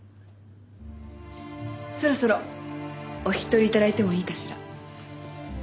そろそろお引き取り頂いてもいいかしら？